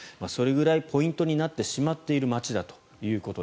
それぐらいポイントになってしまっている街だと。